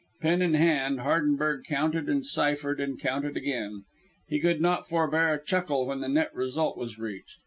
Pen in hand, Hardenberg counted and ciphered and counted again. He could not forbear a chuckle when the net result was reached.